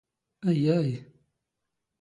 ⴰⵢⵢⴰⵢ!